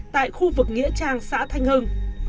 tại khu vực nghĩa trang sài gòn